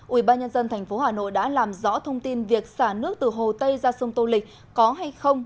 ubnd tp hà nội đã làm rõ thông tin việc xả nước từ hồ tây ra sông tô lịch có hay không